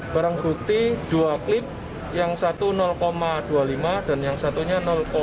barang buti dua klip yang satu dua puluh lima dan yang satunya tiga puluh tiga